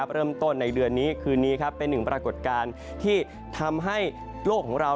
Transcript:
เริ่มต้นในเดือนนี้คืนนี้เป็นหนึ่งปรากฏการณ์ที่ทำให้โลกของเรา